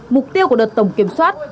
mục tiêu của đợt tổng kiểm soát